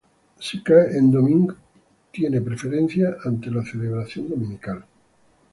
Si cae en domingo, tiene preferencia ante la celebración dominical.